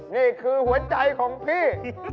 นี่คือหัวใจของพี่